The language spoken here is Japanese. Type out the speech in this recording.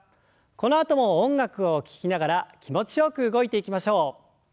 このあとも音楽を聞きながら気持ちよく動いていきましょう。